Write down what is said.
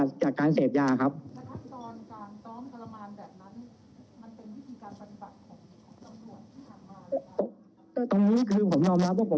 แล้วถ้าตอนการซ้อมประมาณแบบนั้นมันเป็นวิธีการปฏิบัติของจำนวนที่ห่างมาหรือเปล่า